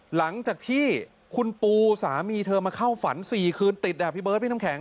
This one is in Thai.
หลังจากที่คุณปูสามีเธอมาเข้าฝัน๔คืนติดพี่เบิร์ดพี่น้ำแข็ง